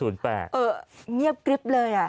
เงียบกริ๊บเลย